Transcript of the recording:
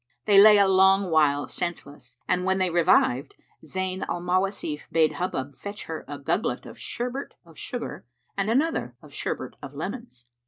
They lay a long while senseless, and when they revived, Zayn al Mawasif bade Hubub fetch her a gugglet of sherbet of sugar and another of sherbet of lemons.